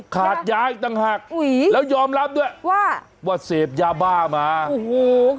ขาดยาอีกต่างหากอุ้ยแล้วยอมรับด้วยว่าว่าเสพยาบ้ามาโอ้โห